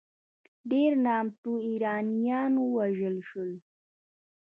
ډېر نامتو ایرانیان ووژل شول.